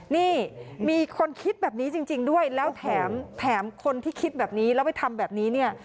นี่มีคนคิดแบบนี้จริงด้วยแล้วแถมคนที่คิดแบบนี้แล้วไปทำแบบนี้เนี่ย